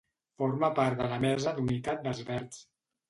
Forma part de la Mesa d'Unitat dels Verds.